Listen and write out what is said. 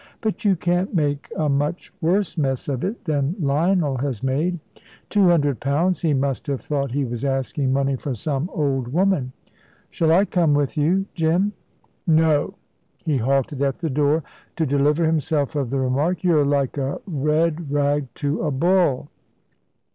"But you can't make a much worse mess of it than Lionel has made. Two hundred pounds he must have thought he was asking money for some old woman. Shall I come with you, Jim?" "No." He halted at the door to deliver himself of the remark, "You're like a red rag to a bull."